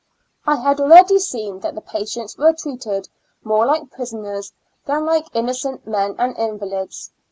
I had already seen that patients were treated more like prisoners than like innocent men and invalids.